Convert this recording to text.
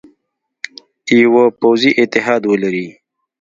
یوه پوځي اتحاد ولري.